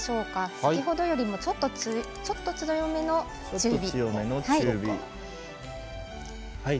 先ほどよりちょっと強めの中火。